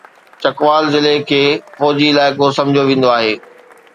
چکوال ضلعي کي فوجي علائقو سمجهيو ويندو آهي.